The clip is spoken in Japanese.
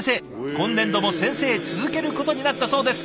今年度も先生続けることになったそうです。